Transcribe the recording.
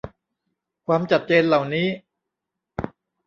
ความจัดเจนเหล่านี้